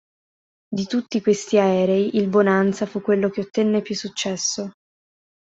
Di tutti questi aerei, il Bonanza fu quello che ottenne più successo.